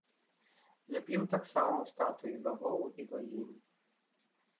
Ляпіў таксама статуі багоў і багінь.